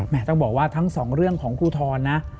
ต้องบอกว่าทั้งสองเรื่องของภูทรนะ